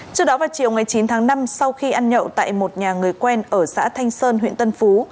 trước đó vào chiều ngày chín tháng năm sau khi ăn nhậu tại một nhà người quen ở xã thanh sơn huyện tân phú